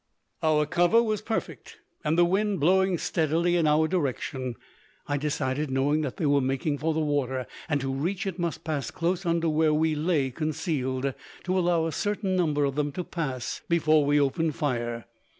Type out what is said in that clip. Our cover was perfect and the wind blowing steadily in our direction. I decided, knowing that they were making for the water, and to reach it must pass close under where we lay concealed, to allow a certain number of them to pass before we opened fire.